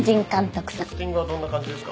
キャスティングはどんな感じですか？